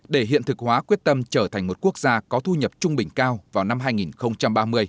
để hiện thực hóa quyết tâm trở thành một quốc gia có thu nhập trung bình cao vào năm hai nghìn ba mươi